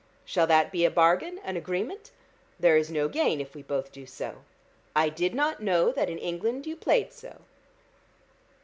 Shall that be a bargain, an agreement? There is no gain if we both do so. I did not know that in England you played so."